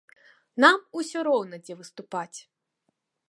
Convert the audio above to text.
Нам усё роўна, дзе выступаць!